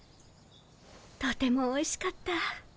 とてもおいしかった。